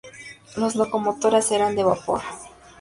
Las locomotoras eran de vapor.